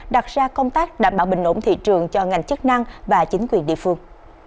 đặt ra công tác đảm bảo bình ổn thị trường cho ngành chức năng và chính quyền địa phương